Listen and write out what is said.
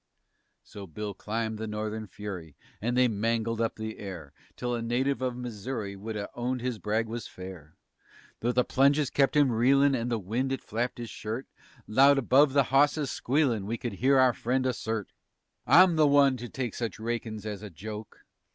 _" So Bill climbed the Northern Fury And they mangled up the air Till a native of Missouri Would have owned his brag was fair. Though the plunges kep' him reelin' And the wind it flapped his shirt, Loud above the hawse's squealin' We could hear our friend assert "_I'm the one to take such rakin's as a joke.